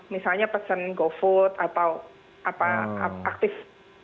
misalnya pesan go food atau apa aktif